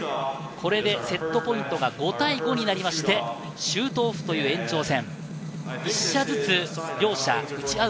これでセットポイントが５対５になりまして、シュートオフという延長戦。